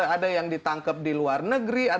ada yang ditangkap di luar negeri